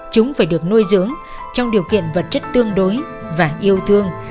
chúng phải được nuôi dưỡng trong điều kiện vật chất tương đối và yêu thương